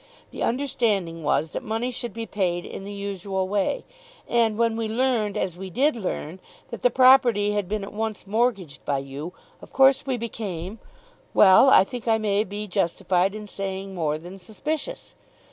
The understanding was that money should be paid in the usual way. And when we learned, as we did learn, that the property had been at once mortgaged by you, of course we became, well, I think I may be justified in saying more than suspicious.